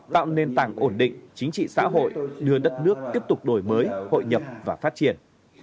tạo nền tảng ổn định chính trị xã hội đưa đất nước tiếp tục đổi mới hội nhập và phát triển